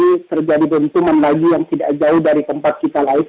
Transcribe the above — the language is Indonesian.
ini terjadi dentuman lagi yang tidak jauh dari tempat kita laik